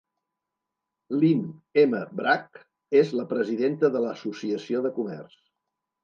Lynn M. Bragg és la presidenta de l'associació de comerç.